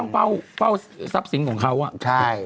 เขาก็ต้องเป้าทรัพย์สิงของเขาอ่ะใช่